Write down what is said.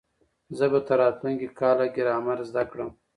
زه به تر راتلونکي کاله ګرامر زده کړم.